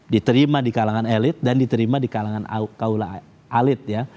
diterima di kalangan elit dan diterima di kalangan kaula elit ya